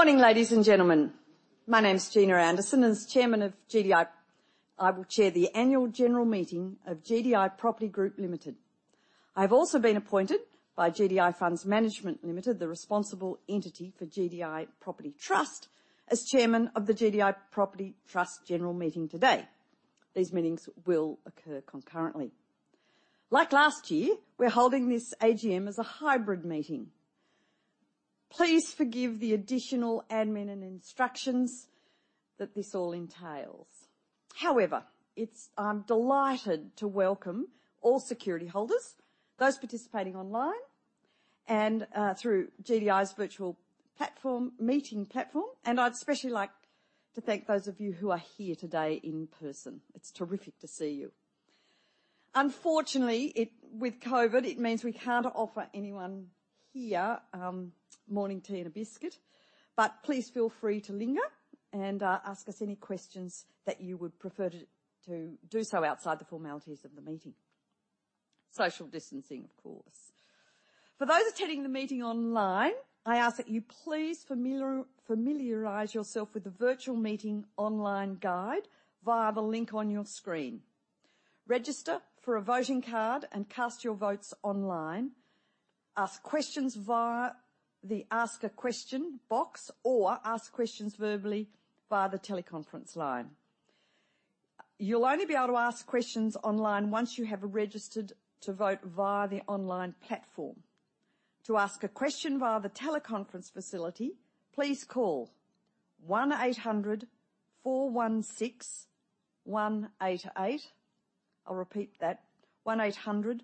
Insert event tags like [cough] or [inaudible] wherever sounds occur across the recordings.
Morning, ladies and gentlemen. My name is Gina Anderson. As Chairman of GDI, I will chair the annual general meeting of GDI Property Group Limited. I have also been appointed by GDI Funds Management Limited, the responsible entity for GDI Property Trust, as Chairman of the GDI Property Trust general meeting today. These meetings will occur concurrently. Like last year, we're holding this AGM as a hybrid meeting. Please forgive the additional admin and instructions that this all entails. However, I'm delighted to welcome all security holders, those participating online and through GDI's virtual platform, meeting platform, and I'd especially like to thank those of you who are here today in person. It's terrific to see you. Unfortunately, with COVID, it means we can't offer anyone here morning tea and a biscuit, but please feel free to linger and ask us any questions that you would prefer to do so outside the formalities of the meeting. Social distancing, of course. For those attending the meeting online, I ask that you please familiarize yourself with the virtual meeting online guide via the link on your screen. Register for a voting card and cast your votes online. Ask questions via the Ask A Question box, or ask questions verbally via the teleconference line. You'll only be able to ask questions online once you have registered to vote via the online platform. To ask a question via the teleconference facility, please call 1800 416 188. I'll repeat that. 1800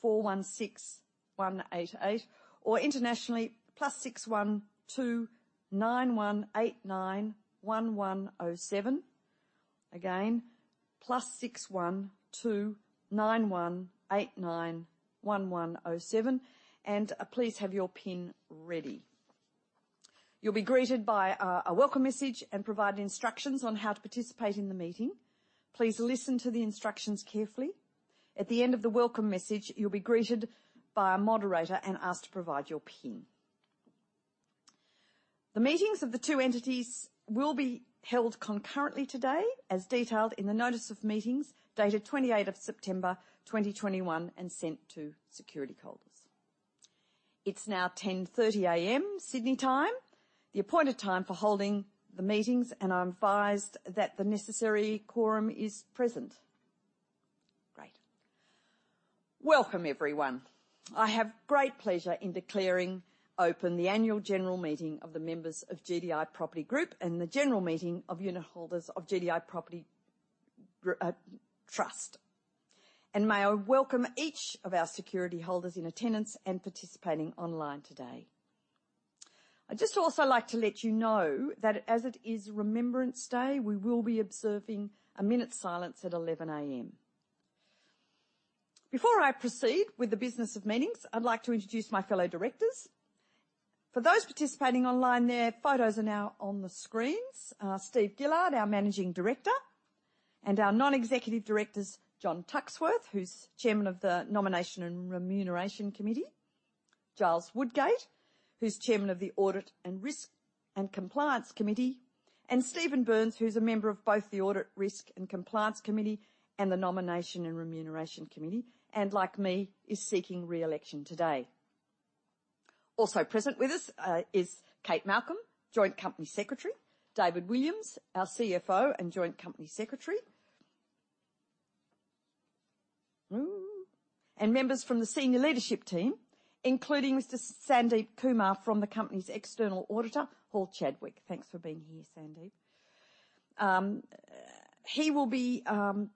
416 188, or internationally, +61 2 9189 1107. Again, +61 2 9189 1107, and please have your PIN ready. You'll be greeted by a welcome message and provided instructions on how to participate in the meeting. Please listen to the instructions carefully. At the end of the welcome message, you'll be greeted by a moderator and asked to provide your PIN. The meetings of the two entities will be held concurrently today, as detailed in the notice of meetings dated September 28, 2021, and sent to security holders. It's now 10:30 A.M. Sydney time, the appointed time for holding the meetings, and I'm advised that the necessary quorum is present. Great. Welcome, everyone. I have great pleasure in declaring open the annual general meeting of the members of GDI Property Group and the general meeting of unit holders of GDI Property Trust. May I welcome each of our security holders in attendance and participating online today. I'd just also like to let you know that as it is Remembrance Day, we will be observing a minute's silence at 11:00 A.M. Before I proceed with the business of meetings, I'd like to introduce my fellow directors. For those participating online, their photos are now on the screens. Steve Gillard, our Managing Director, and our Non-Executive Directors, John Tuxworth, who's Chairman of the Nomination and Remuneration Committee, Giles Woodgate, who's Chairman of the Audit, Risk and Compliance Committee, and Stephen Burns, who's a member of both the Audit, Risk and Compliance Committee and the Nomination and Remuneration Committee, and like me, is seeking re-election today. Also present with us is Kate Malcolm, Joint Company Secretary, David Williams, our CFO and Joint Company Secretary. Members from the senior leadership team, including Mr Sandeep Kumar from the company's external auditor, Hall Chadwick. Thanks for being here, Sandeep. He will be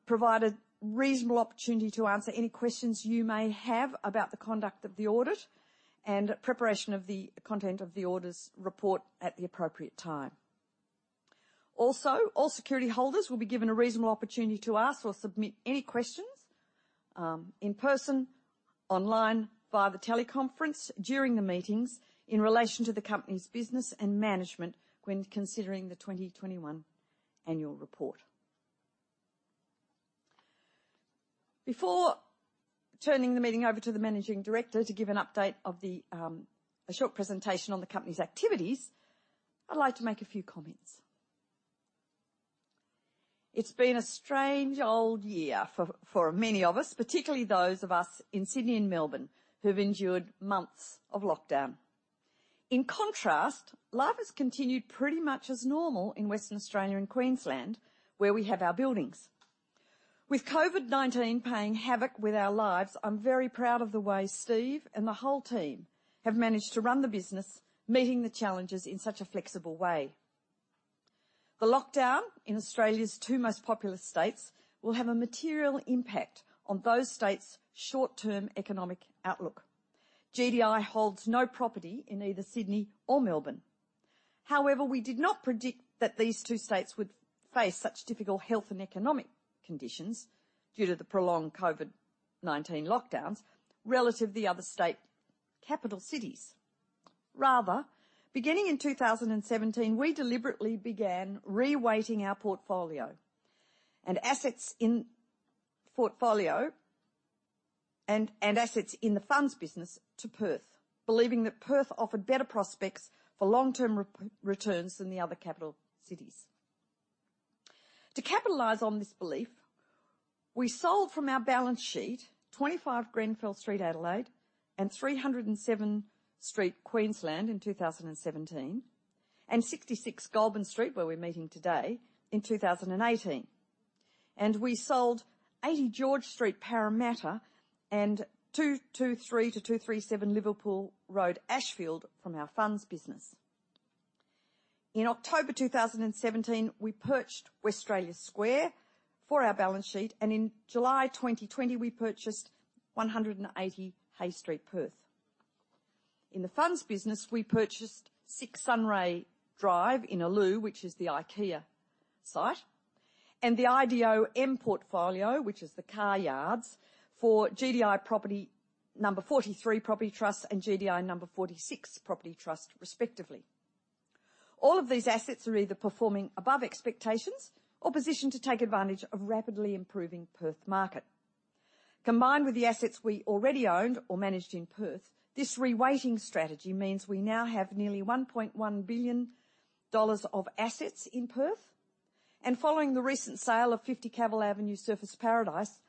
provided reasonable opportunity to answer any questions you may have about the conduct of the audit and preparation of the content of the audit's report at the appropriate time. Also, all security holders will be given a reasonable opportunity to ask or submit any questions in person, online, via the teleconference during the meetings in relation to the company's business and management when considering the 2021 annual report. Before turning the meeting over to the Managing Director to give a short presentation on the company's activities, I'd like to make a few comments. It's been a strange old year for many of us, particularly those of us in Sydney and Melbourne who have endured months of lockdown. In contrast, life has continued pretty much as normal in Western Australia and Queensland, where we have our buildings. With COVID-19 playing havoc with our lives, I'm very proud of the way Steve and the whole team have managed to run the business, meeting the challenges in such a flexible way. The lockdown in Australia's two most populous states will have a material impact on those states' short-term economic outlook. GDI holds no property in either Sydney or Melbourne. However, we did not predict that these two states would face such difficult health and economic conditions due to the prolonged COVID-19 lockdowns relative to the other state capital cities. Rather, beginning in 2017, we deliberately began reweighting our portfolio and assets in the funds business to Perth, believing that Perth offered better prospects for long-term returns than the other capital cities. To capitalize on this belief, we sold from our balance sheet 25 Grenfell Street, Adelaide, and 307 Queen Street, Queensland in 2017, and 66 Goulburn Street, where we're meeting today, in 2018. We sold 80 George Street, Parramatta, and 223-237 Liverpool Road, Ashfield, from our Funds Business. In October 2017, we purchased Westralia Square for our balance sheet, and in July 2020, we purchased 180 Hay Street, Perth. In the funds business, we purchased 6 Sunray Drive in Innaloo, which is the IKEA site, and the IDOM Portfolio, which is the car yards for GDI No. 43 Property Trust and GDI No. 46 Property Trust, respectively. All of these assets are either performing above expectations or positioned to take advantage of rapidly improving Perth market. Combined with the assets we already owned or managed in Perth, this re-weighting strategy means we now have nearly 1.1 billion dollars of assets in Perth. Following the recent sale of 50 Cavill Avenue, Surfers Paradise,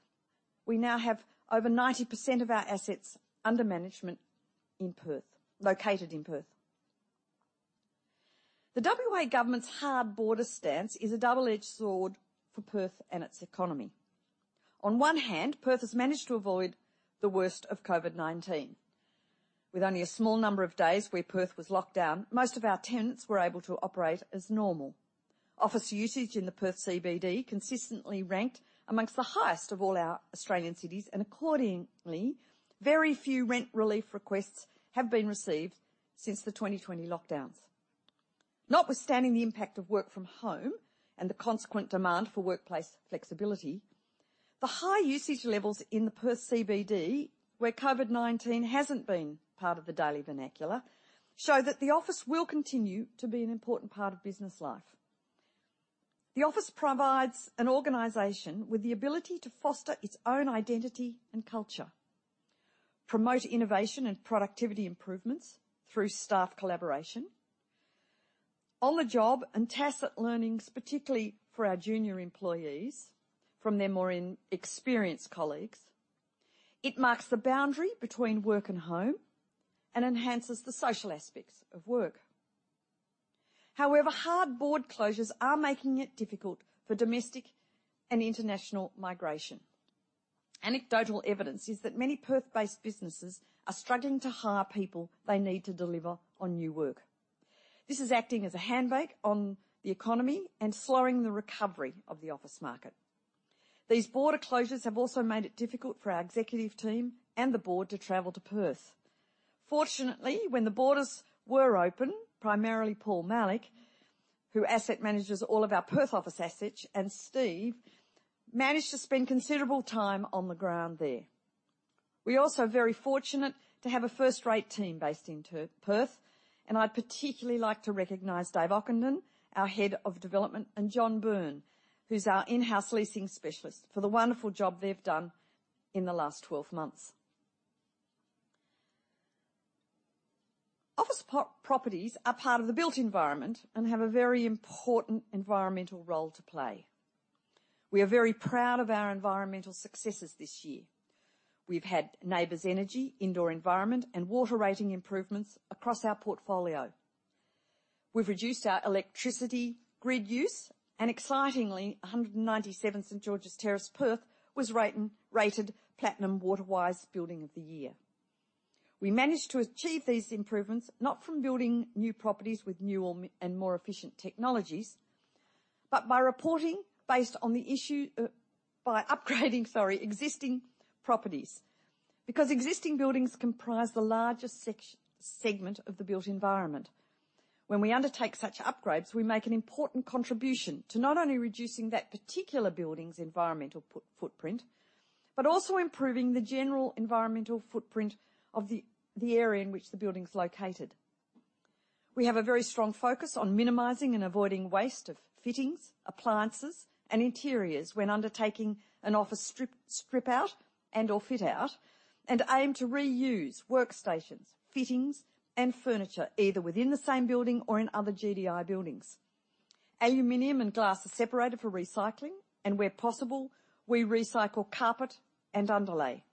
we now have over 90% of our assets under management in Perth, located in Perth. The WA government's hard border stance is a double-edged sword for Perth and its economy. On one hand, Perth has managed to avoid the worst of COVID-19. With only a small number of days where Perth was locked down, most of our tenants were able to operate as normal. Office usage in the Perth CBD consistently ranked amongst the highest of all our Australian cities, and accordingly, very few rent relief requests have been received since the 2020 lockdowns. Notwithstanding the impact of work from home and the consequent demand for workplace flexibility, the high usage levels in the Perth CBD, where COVID-19 hasn't been part of the daily vernacular, show that the office will continue to be an important part of business life. The office provides an organization with the ability to foster its own identity and culture, promote innovation and productivity improvements through staff collaboration, on-the-job and tacit learnings, particularly for our junior employees from their more inexperienced colleagues. It marks the boundary between work and home and enhances the social aspects of work. However, hard border closures are making it difficult for domestic and international migration. Anecdotal evidence is that many Perth-based businesses are struggling to hire people they need to deliver on new work. This is acting as a handbrake on the economy and slowing the recovery of the office market. These border closures have also made it difficult for our executive team and the Board to travel to Perth. Fortunately, when the borders were open, primarily Paul Malek, who asset manages all of our Perth office assets, and Steve managed to spend considerable time on the ground there. We're also very fortunate to have a first-rate team based in Perth, and I'd particularly like to recognize David Ockenden, our Head of Development, and John Byrne, who's our in-house leasing specialist, for the wonderful job they've done in the last 12 months. Office properties are part of the built environment and have a very important environmental role to play. We are very proud of our environmental successes this year. We've had NABERS energy, indoor environment, and water rating improvements across our portfolio. We've reduced our electricity grid use and excitingly, 197 St. George's Terrace, Perth, was rated Platinum Waterwise Building of the Year. We managed to achieve these improvements not from building new properties with newer and more efficient technologies, but by upgrading existing properties, because existing buildings comprise the largest segment of the built environment. When we undertake such upgrades, we make an important contribution to not only reducing that particular building's environmental footprint, but also improving the general environmental footprint of the area in which the building's located. We have a very strong focus on minimizing and avoiding waste of fittings, appliances, and interiors when undertaking an office strip out and/or fit out, and aim to reuse workstations, fittings, and furniture, either within the same building or in other GDI buildings. Aluminum and glass are separated for recycling, and where possible, we recycle carpet and underlay.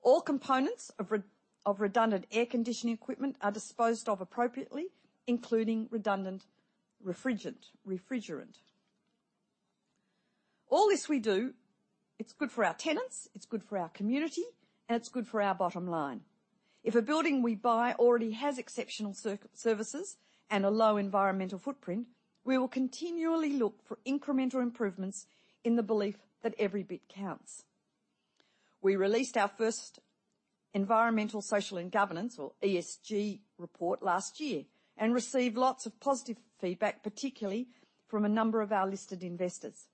All components of redundant air conditioning equipment are disposed of appropriately, including redundant refrigerant. All this we do, it's good for our tenants, it's good for our community, and it's good for our bottom line. If a building we buy already has exceptional services and a low environmental footprint, we will continually look for incremental improvements in the belief that every bit counts. We released our first environmental, social, and governance or ESG report last year and received lots of positive feedback, particularly from a number of our listed investors.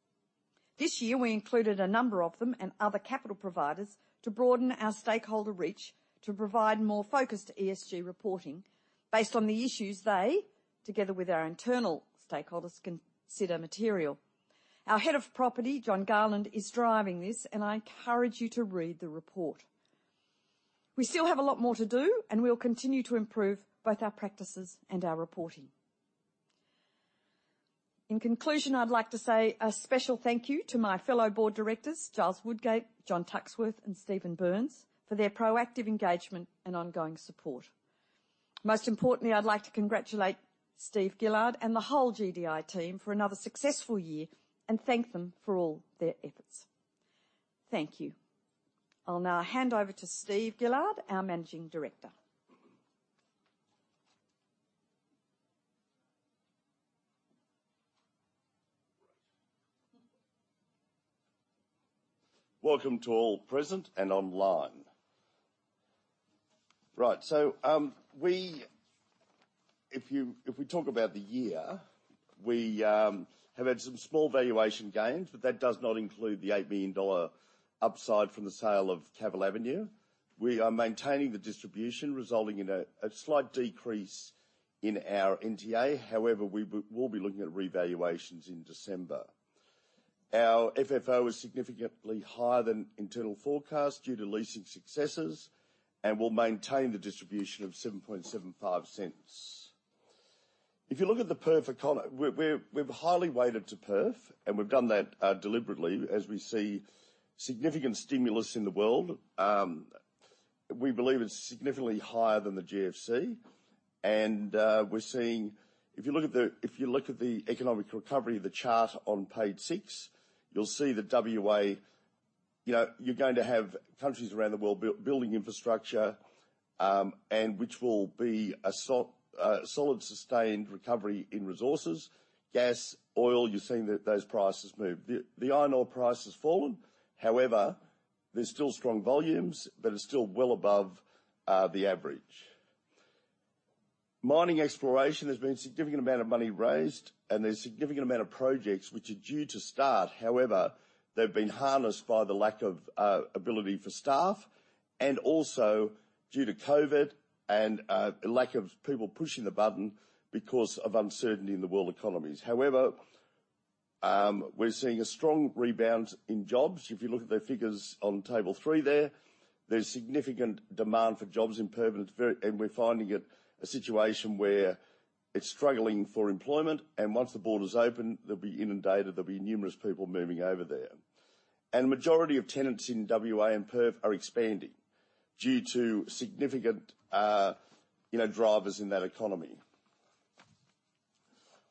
This year, we included a number of them and other capital providers to broaden our stakeholder reach to provide more focused ESG reporting based on the issues they, together with our internal stakeholders, consider material. Our Head of Property, John Garland, is driving this, and I encourage you to read the report. We still have a lot more to do, and we will continue to improve both our practices and our reporting. In conclusion, I'd like to say a special thank you to my fellow Board Directors, Giles Woodgate, John Tuxworth, and Stephen Burns, for their proactive engagement and ongoing support. Most importantly, I'd like to congratulate Steve Gillard and the whole GDI team for another successful year and thank them for all their efforts. Thank you. I'll now hand over to Steve Gillard, our Managing Director. Welcome to all present and online. Right. If you, if we talk about the year, we have had some small valuation gains, but that does not include the 8 million dollar upside from the sale of Cavill Avenue. We are maintaining the distribution, resulting in a slight decrease in our NTA. However, we will be looking at revaluations in December. Our FFO is significantly higher than internal forecasts due to leasing successes and will maintain the distribution of 0.0775. If you look at Perth, we're highly weighted to Perth, and we've done that deliberately as we see significant stimulus in the world. We believe it's significantly higher than the GFC and we're seeing. If you look at the economic recovery, the chart on page six, you'll see that WA, you know, you're going to have countries around the world building infrastructure, and which will be a solid sustained recovery in resources. Gas, oil, you're seeing that those prices move. The iron ore price has fallen. However, there's still strong volumes that are still well above the average. Mining exploration, there's been a significant amount of money raised and there's a significant amount of projects which are due to start. However, they've been hampered by the lack of availability for staff and also due to COVID and lack of people pushing the button because of uncertainty in the world economies. However, we're seeing a strong rebound in jobs. If you look at the figures on table three there's significant demand for jobs in Perth, and we're finding it a situation where it's struggling for employment, and once the border's open, they'll be inundated. There'll be numerous people moving over there. Majority of tenants in WA and Perth are expanding due to significant drivers in that economy.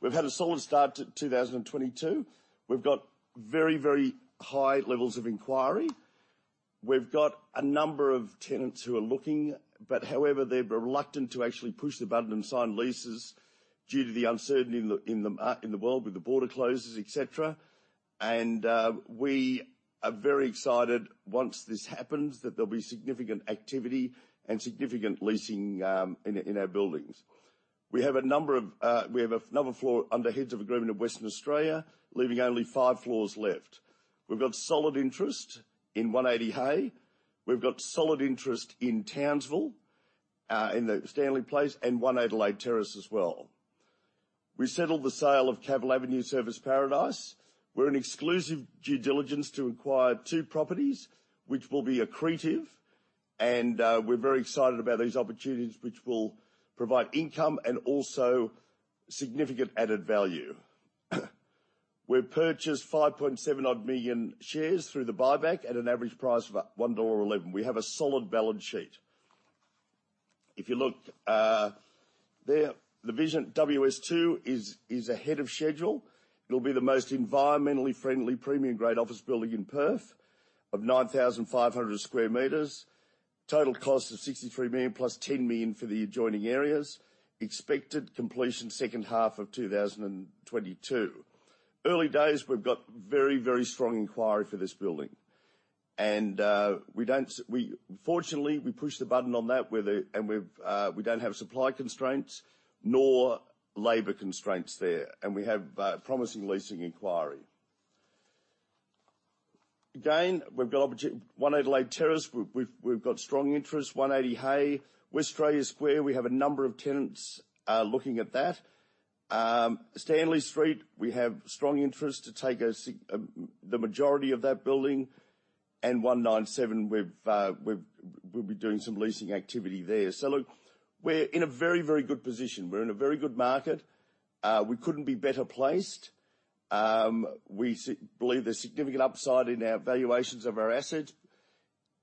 We've had a solid start to 2022. We've got very high levels of inquiry. We've got a number of tenants who are looking, but however, they're reluctant to actually push the button and sign leases due to the uncertainty in the world with the border closures, et cetera. We are very excited once this happens that there'll be significant activity and significant leasing in our buildings. We have a number of floors under Heads of Agreement in Western Australia, leaving only five floors left. We've got solid interest in 180 Hay. We've got solid interest in Townsville, in the Stanley Place and 1 Adelaide Terrace as well. We settled the sale of Cavill Avenue, Surfers Paradise. We're in exclusive due diligence to acquire two properties, which will be accretive, and we're very excited about these opportunities, which will provide income and also significant added value. We've purchased 5.7-odd million shares through the buyback at an average price of 1.11 dollar. We have a solid balance sheet. If you look, the WS2 is ahead of schedule. It'll be the most environmentally friendly premium grade office building in Perth of 9,500 sqm. Total cost of 63 million + 10 million for the adjoining areas. Expected completion second half of 2022. Early days, we've got very, very strong inquiry for this building. Fortunately, we pushed the button on that with it, and we don't have supply constraints nor labor constraints there, and we have promising leasing inquiry. Again, we've got one Adelaide Terrace, we've got strong interest. 180 Hay. Westralia Square, we have a number of tenants looking at that. Stanley Place, we have strong interest to take the majority of that building. 197, we've, we'll be doing some leasing activity there. Look, we're in a very, very good position. We're in a very good market. We couldn't be better placed. We believe there's significant upside in our valuations of our assets.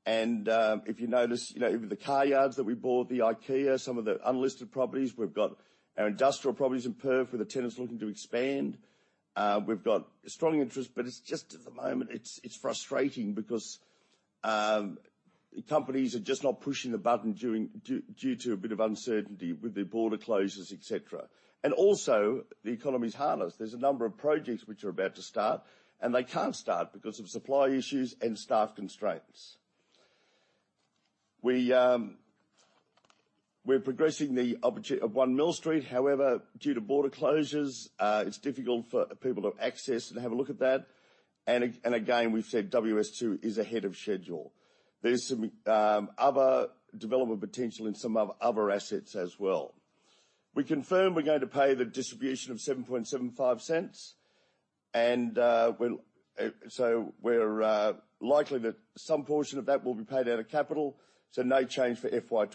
If you notice, you know, even the car yards that we bought, the IKEA, some of the unlisted properties. We've got our industrial properties in Perth where the tenants are looking to expand. We've got strong interest, but it's just at the moment, it's frustrating because companies are just not pushing the button due to a bit of uncertainty with the border closures, et cetera. Also, the economy's hampered. There's a number of projects which are about to start, and they can't start because of supply issues and staff constraints. We're progressing 1 Mill Street. However, due to border closures, it's difficult for people to access and have a look at that. Again, we've said WS2 is ahead of schedule. There's some other development potential in some other assets as well. We confirm we're going to pay the distribution of 0.0775 and we're likely that some portion of that will be paid out of capital, so no change for FY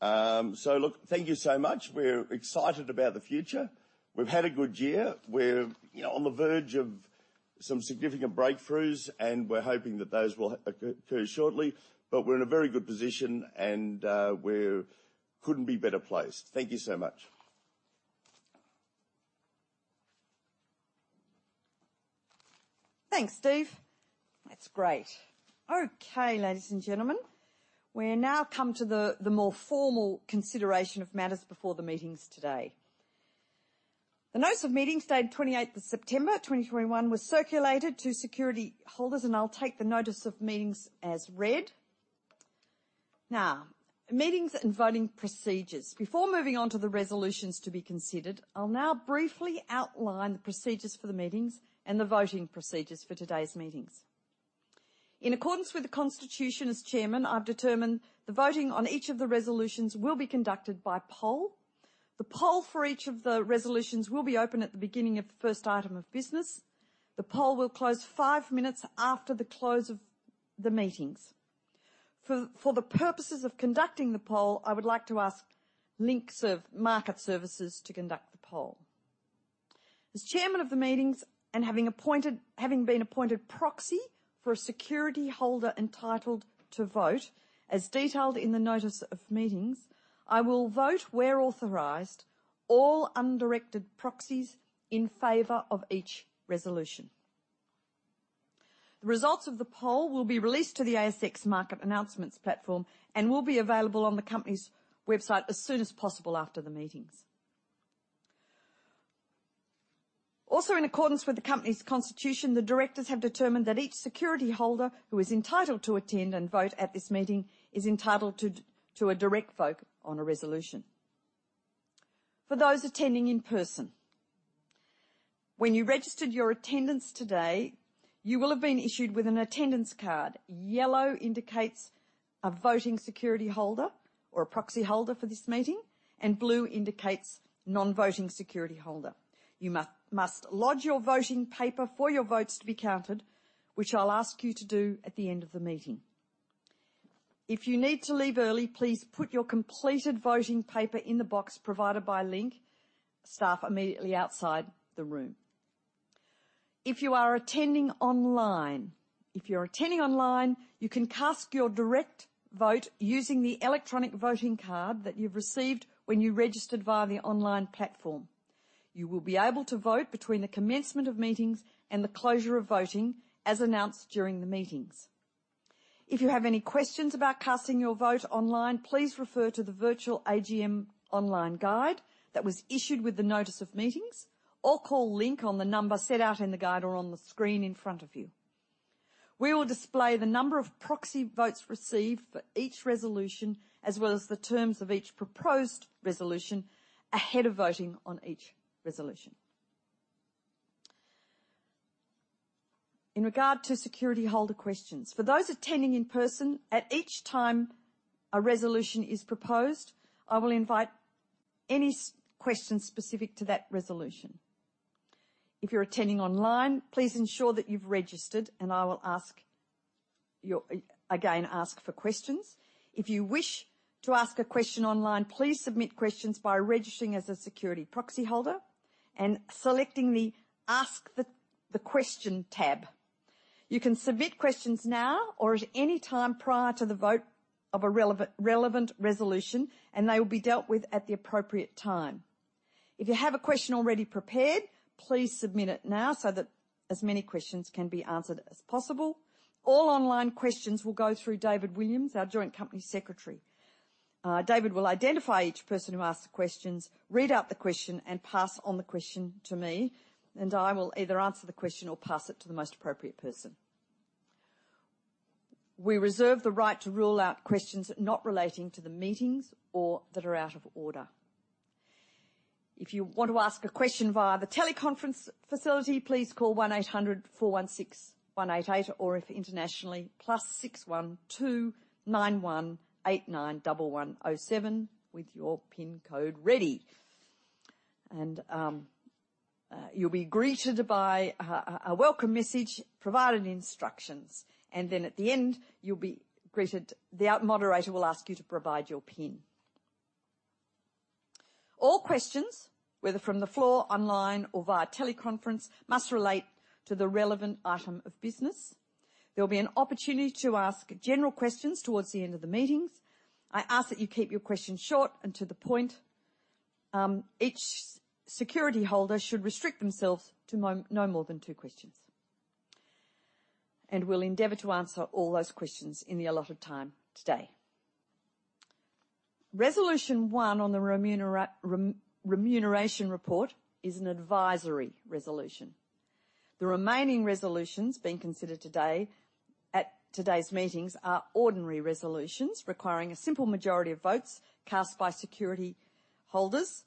2022. Look, thank you so much. We're excited about the future. We've had a good year. We're, you know, on the verge of some significant breakthroughs, and we're hoping that those will occur shortly. We're in a very good position and we couldn't be better placed. Thank you so much. Thanks, Steve. That's great. Okay, ladies and gentlemen, we now come to the more formal consideration of matters before the meetings today. The notice of meetings dated September 28th, 2021 was circulated to security holders, and I'll take the notice of meetings as read. Now, meetings and voting procedures. Before moving on to the resolutions to be considered, I'll now briefly outline the procedures for the meetings and the voting procedures for today's meetings. In accordance with the constitution, as Chairman, I've determined the voting on each of the resolutions will be conducted by poll. The poll for each of the resolutions will be open at the beginning of the first item of business. The poll will close five minutes after the close of the meetings. For the purposes of conducting the poll, I would like to ask Link Market Services to conduct the poll. As Chairman of the meetings and having been appointed proxy for a security holder entitled to vote, as detailed in the notice of meetings, I will vote, where authorized, all undirected proxies in favor of each resolution. The results of the poll will be released to the ASX market announcements platform and will be available on the company's website as soon as possible after the meetings. Also, in accordance with the company's constitution, the directors have determined that each security holder who is entitled to attend and vote at this meeting is entitled to a direct vote on a resolution. For those attending in person, when you registered your attendance today, you will have been issued with an attendance card. Yellow indicates a voting security holder or a proxy holder for this meeting, and blue indicates non-voting security holder. You must lodge your voting paper for your votes to be counted, which I'll ask you to do at the end of the meeting. If you need to leave early, please put your completed voting paper in the box provided by Link staff immediately outside the room. If you are attending online, you can cast your direct vote using the electronic voting card that you've received when you registered via the online platform. You will be able to vote between the commencement of meetings and the closure of voting as announced during the meetings. If you have any questions about casting your vote online, please refer to the virtual AGM online guide that was issued with the notice of meetings, or call Link on the number set out in the guide or on the screen in front of you. We will display the number of proxy votes received for each resolution, as well as the terms of each proposed resolution ahead of voting on each resolution. In regard to security holder questions, for those attending in person, at each time a resolution is proposed, I will invite any questions specific to that resolution. If you're attending online, please ensure that you've registered and I will ask you again for questions. If you wish to ask a question online, please submit questions by registering as a security proxy holder and selecting the Ask the Question tab. You can submit questions now or at any time prior to the vote of a relevant resolution, and they will be dealt with at the appropriate time. If you have a question already prepared, please submit it now so that as many questions can be answered as possible. All online questions will go through David Williams, our joint company secretary. David will identify each person who asks the questions, read out the question, and pass on the question to me, and I will either answer the question or pass it to the most appropriate person. We reserve the right to rule out questions not relating to the meetings or that are out of order. If you want to ask a question via the teleconference facility, please call 1-800-416-188 or if internationally, +61 2 9189 1107 with your pin code ready. You'll be greeted by a welcome message providing instructions, and then at the end, you'll be greeted. The moderator will ask you to provide your pin. All questions, whether from the floor, online or via teleconference, must relate to the relevant item of business. There will be an opportunity to ask general questions towards the end of the meetings. I ask that you keep your questions short and to the point. Each security holder should restrict themselves to no more than two questions. We'll endeavor to answer all those questions in the allotted time today. Resolution one on the remuneration report is an advisory resolution. The remaining resolutions being considered today at today's meetings are ordinary resolutions requiring a simple majority of votes cast by security holders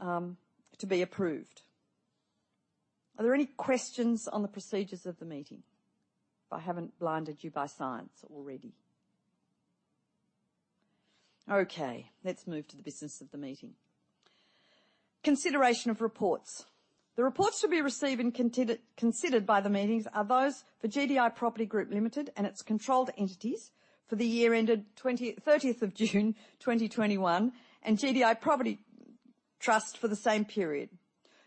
to be approved. Are there any questions on the procedures of the meeting? If I haven't blinded you by science already. Okay, let's move to the business of the meeting. Consideration of reports. The reports to be received and considered by the meetings are those for GDI Property Group Limited and its controlled entities for the year ended June 30, 2021, and GDI Property Trust for the same period.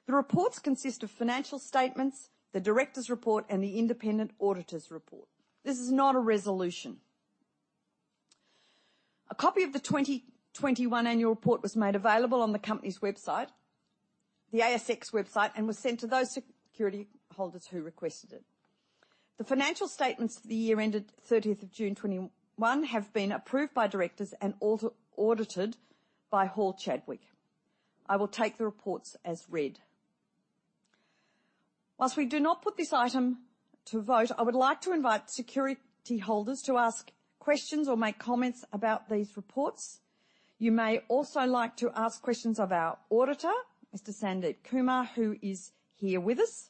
The reports consist of financial statements, the directors' report, and the independent auditor's report. This is not a resolution. A copy of the 2021 annual report was made available on the company's website, the ASX website, and was sent to those security holders who requested it. The financial statements for the year ended June 30, 2021 have been approved by directors and audited by Hall Chadwick. I will take the reports as read. Whilst we do not put this item to vote, I would like to invite security holders to ask questions or make comments about these reports. You may also like to ask questions of our auditor, Mr. Sandeep Kumar, who is here with us.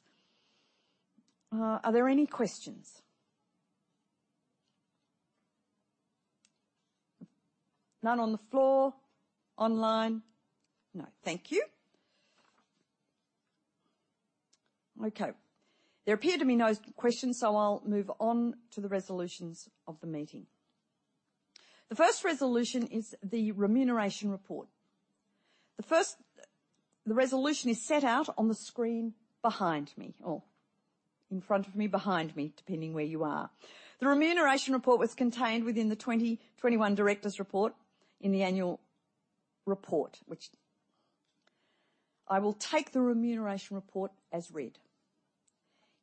Are there any questions? None on the floor, online. No. Thank you. Okay. There appear to be no questions, so I'll move on to the resolutions of the meeting. The first resolution is the remuneration report. The resolution is set out on the screen behind me, or in front of me, behind me, depending where you are. The remuneration report was contained within the 2021 directors' report in the annual report, which I will take the remuneration report as read.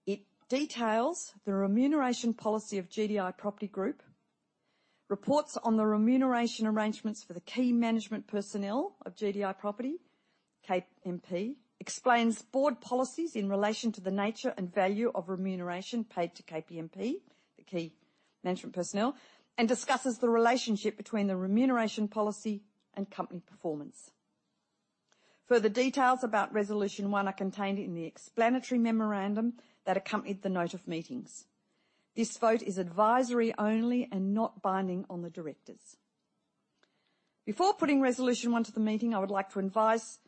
It details the remuneration policy of GDI Property Group, reports on the remuneration arrangements for the key management personnel of GDI Property, KMP, explains Board policies in relation to the nature and value of remuneration paid to KMP, the key management personnel, and discusses the relationship between the remuneration policy and company performance. Further details about resolution one are contained in the explanatory memorandum that accompanied the notice of meeting. This vote is advisory only and not binding on the directors. Before putting resolution one to the meeting, I would like to advise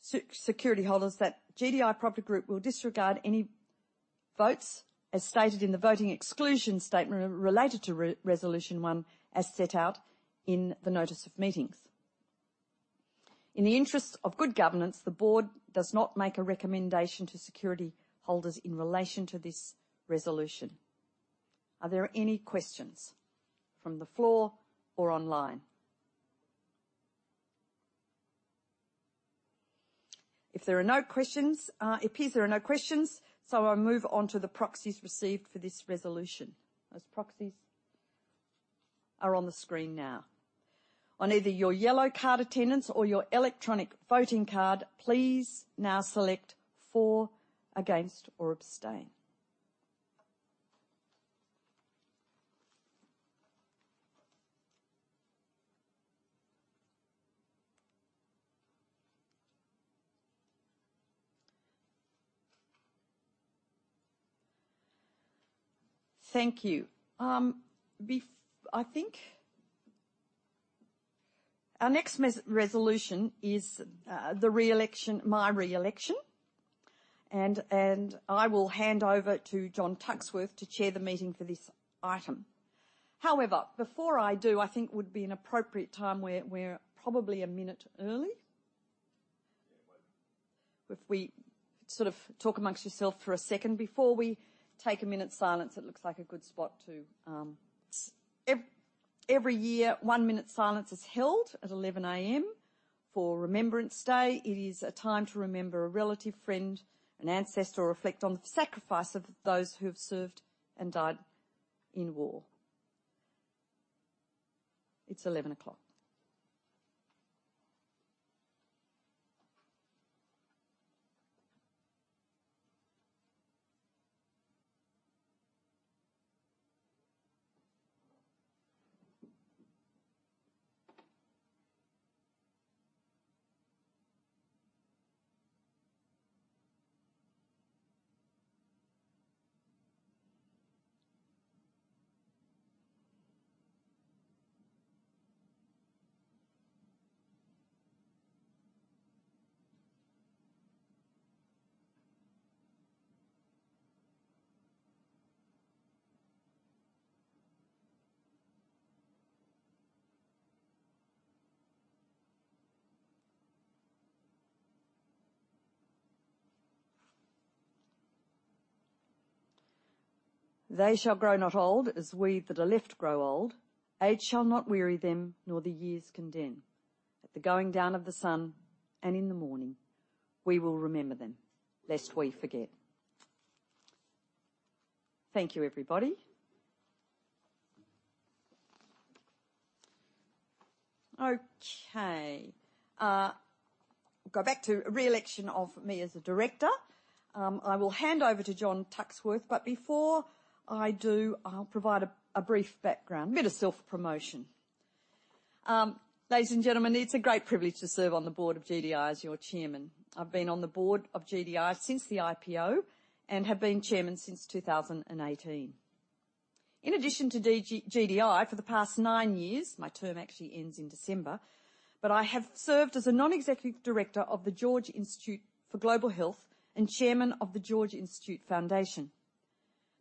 security holders that GDI Property Group will disregard any votes as stated in the voting exclusion statement related to resolution one as set out in the notice of meeting. In the interest of good governance, the Board does not make a recommendation to security holders in relation to this resolution. Are there any questions from the floor or online? If there are no questions, it appears there are no questions, so I'll move on to the proxies received for this resolution. Those proxies are on the screen now. On either your yellow card attendance or your electronic voting card, please now select for, against, or abstain. Thank you. I think our next resolution is the re-election, my re-election, and I will hand over to John Tuxworth to chair the meeting for this item. However, before I do, I think it would be an appropriate time, we're probably a minute early. Yeah. If we sort of talk amongst yourself for a second before we take a minute's silence, it looks like a good spot to. Every year, one minute's silence is held at 11:00 A.M. for Remembrance Day. It is a time to remember a relative, friend, an ancestor, or reflect on the sacrifice of those who have served and died in war. It's 11:00. They shall grow not old as we that are left grow old. Age shall not weary them, nor the years condemn. At the going down of the sun, and in the morning, we will remember them. Lest we forget. Thank you, everybody. Okay. Go back to re-election of me as a director. I will hand over to John Tuxworth, but before I do, I'll provide a brief background. A bit of self-promotion. Ladies and gentlemen, it's a great privilege to serve on the Board of GDI as your Chairman. I've been on the Board of GDI since the IPO and have been Chairman since 2018. In addition to the GDI, for the past nine years, my term actually ends in December, but I have served as a Non-Executive Director of the George Institute for Global Health and Chairman of the George Institute Foundation.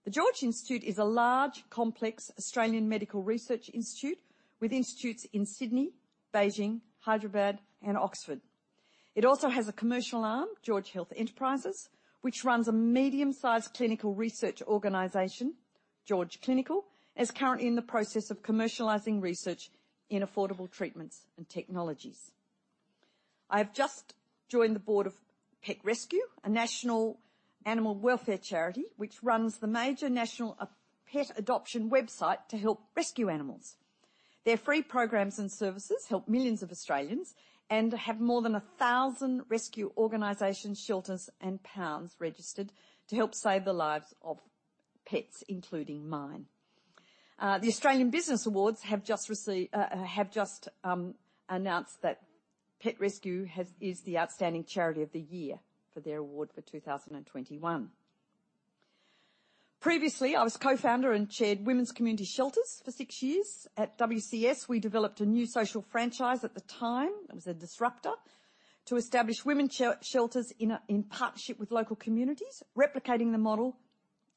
The George Institute is a large, complex Australian medical research institute with institutes in Sydney, Beijing, Hyderabad, and Oxford. It also has a commercial arm, George Health Enterprises, which runs a medium-sized clinical research organization, George Clinical, and is currently in the process of commercializing research in affordable treatments and technologies. I have just joined the Board of PetRescue, a national animal welfare charity which runs the major national pet adoption website to help rescue animals. Their free programs and services help millions of Australians and have more than 1,000 rescue organizations, shelters, and pounds registered to help save the lives of pets, including mine. The Australian Business Awards have just announced that PetRescue is the outstanding charity of the year for their award for 2021. Previously, I was Co-Founder and Chaired Women's Community Shelters for six years. At WCS, we developed a new social franchise at the time, it was a disruptor, to establish women shelters in partnership with local communities, replicating the model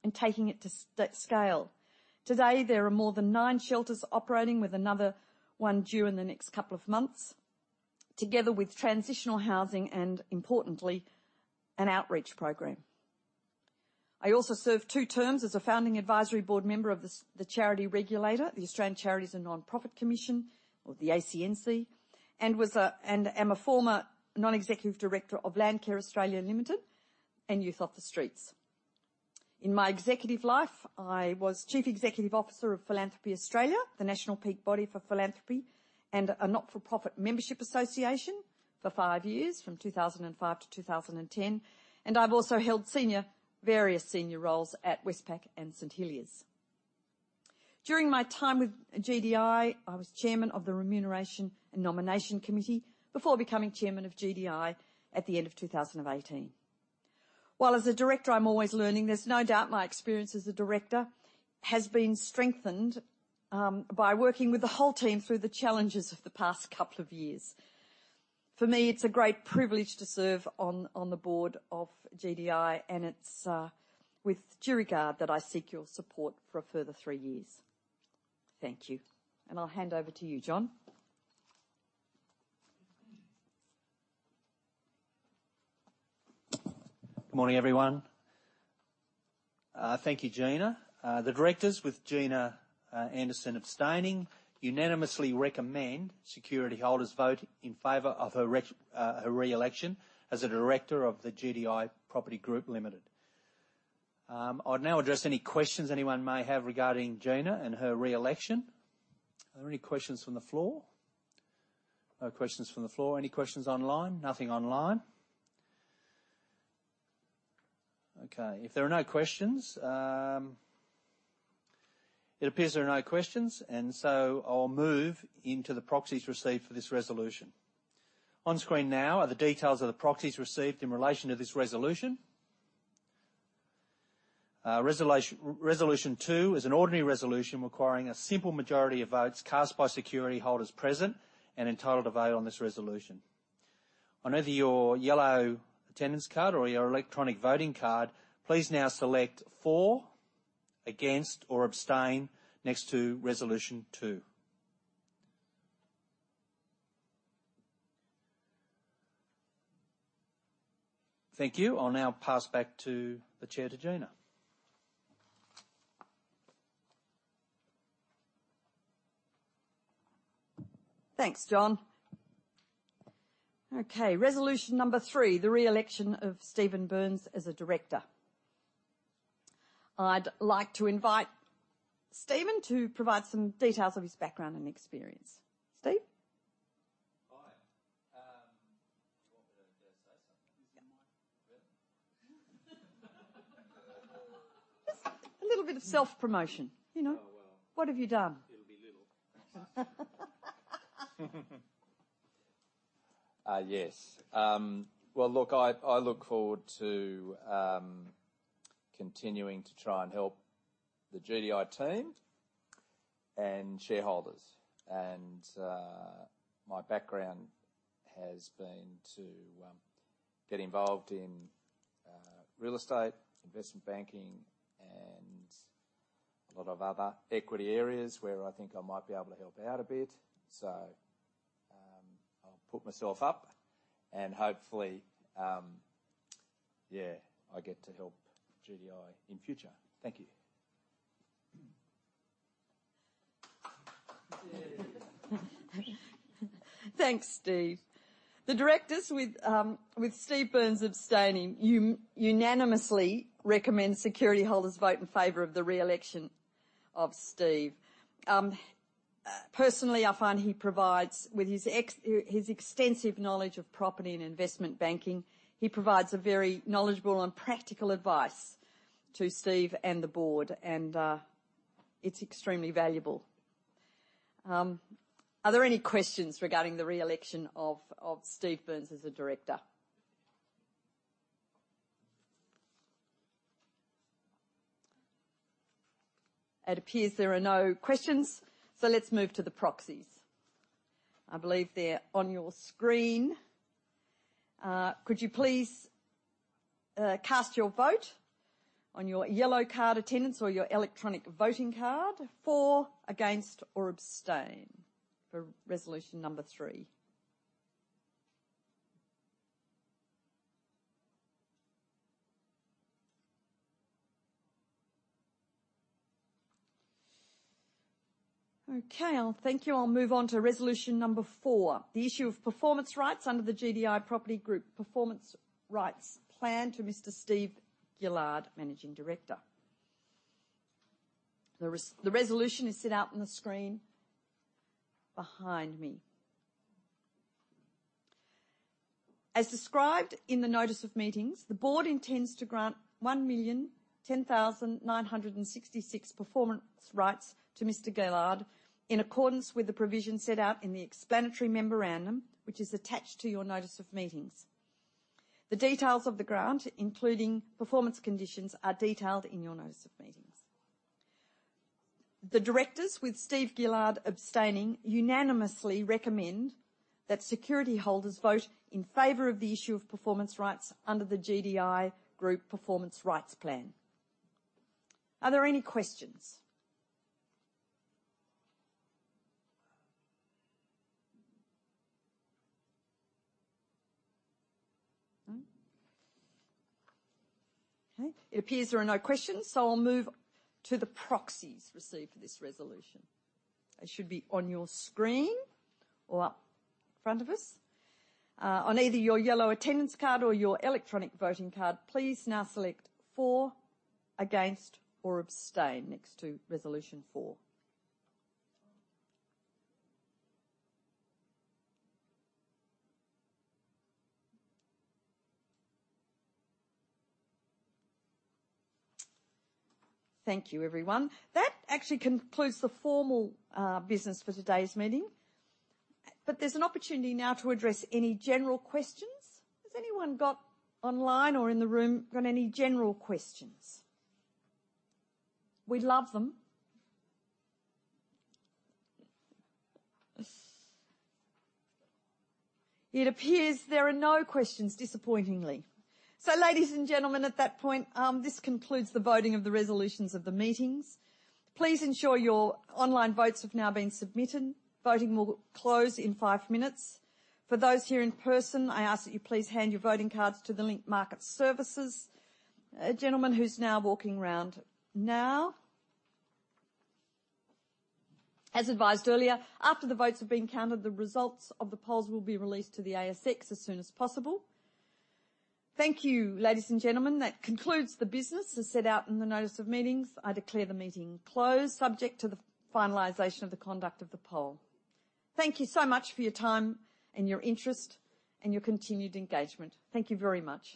and taking it to scale. Today, there are more than nine shelters operating with another one due in the next couple of months, together with transitional housing and, importantly, an outreach program. I also served two terms as a founding advisory Board member of the charity regulator, the Australian Charities and Not-for-profits Commission or the ACNC, and am a former Non-Executive Director of Landcare Australia Limited and Youth Off The Streets. In my executive life, I was Chief Executive Officer of Philanthropy Australia, the national peak body for philanthropy, and a not-for-profit membership association for five years, from 2005 to 2010, and I've also held various senior roles at Westpac and St. Hilliers. During my time with GDI, I was Chairman of the Nomination and Remuneration Committee before becoming Chairman of GDI at the end of 2018. While as a Director, I'm always learning, there's no doubt my experience as a Director has been strengthened by working with the whole team through the challenges of the past couple of years. For me, it's a great privilege to serve on the Board of GDI, and it's with due regard that I seek your support for a further three years. Thank you. I'll hand over to you, John. Good morning, everyone. Thank you, Gina. The Directors, with Gina Anderson abstaining, unanimously recommend security holders vote in favor of her re-election as a Director of the GDI Property Group Limited. I'll now address any questions anyone may have regarding Gina and her re-election. Are there any questions from the floor? No questions from the floor. Any questions online? Nothing online. Okay. If there are no questions. It appears there are no questions, and so I'll move into the proxies received for this resolution. On screen now are the details of the proxies received in relation to this resolution. Resolution two is an ordinary resolution requiring a simple majority of votes cast by security holders present and entitled to vote on this resolution. On either your yellow attendance card or your electronic voting card, please now select for, against, or abstain next to resolution two. Thank you. I'll now pass back to the chair, to Gina. Thanks, John. Okay, resolution number three, the re-election of Stephen Burns as a Director. I'd like to invite Stephen to provide some details of his background and experience. Steve? Hi. Do you want me to say something? [audio distortion] [audio distortion] Just a little bit of self-promotion, you know. Oh, well. What have you done? It'll be little. Yes. Well, look, I look forward to continuing to try and help the GDI team and shareholders. My background has been to get involved in real estate, investment banking, and a lot of other equity areas where I think I might be able to help out a bit. I'll put myself up and hopefully, yeah, I get to help GDI in future. Thank you. Thanks, Steve. The Directors, with Stephen Burns abstaining, unanimously recommend security holders vote in favor of the re-election of Steve. Personally, I find he provides with his extensive knowledge of property and investment banking, he provides a very knowledgeable and practical advice to Steve and the Board, and it's extremely valuable. Are there any questions regarding the re-election of Stephen Burns as a Director? It appears there are no questions, so let's move to the proxies. I believe they're on your screen. Could you please cast your vote on your yellow card attendance or your electronic voting card for, against, or abstain for resolution number three? Okay. Well, thank you. I'll move on to resolution number four, the issue of performance rights under the GDI Property Group Performance Rights Plan to Mr. Steve Gillard, Managing Director. The resolution is set out on the screen behind me. As described in the notice of meetings, the Board intends to grant 1,010,966 performance rights to Mr. Gillard in accordance with the provision set out in the explanatory memorandum, which is attached to your notice of meetings. The details of the grant, including performance conditions, are detailed in your notice of meetings. The Directors, with Steve Gillard abstaining, unanimously recommend that security holders vote in favor of the issue of performance rights under the GDI Property Group Performance Rights Plan. Are there any questions? No? Okay. It appears there are no questions, so I'll move to the proxies received for this resolution. They should be on your screen or up front of us. On either your yellow attendance card or your electronic voting card, please now select for, against, or abstain next to resolution four. Thank you, everyone. That actually concludes the formal business for today's meeting. There's an opportunity now to address any general questions. Has anyone got online or in the room got any general questions? We'd love them. It appears there are no questions, disappointingly. Ladies and gentlemen, at that point, this concludes the voting of the resolutions of the meetings. Please ensure your online votes have now been submitted. Voting will close in five minutes. For those here in person, I ask that you please hand your voting cards to the Link Market Services gentleman who's now walking around. As advised earlier, after the votes have been counted, the results of the polls will be released to the ASX as soon as possible. Thank you, ladies and gentlemen. That concludes the business as set out in the notice of meetings. I declare the meeting closed, subject to the finalization of the conduct of the poll. Thank you so much for your time and your interest and your continued engagement. Thank you very much.